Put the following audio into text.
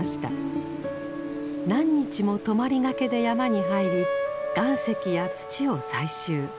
何日も泊まりがけで山に入り岩石や土を採集。